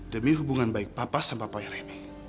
demi hubungan baik papa sama papa rene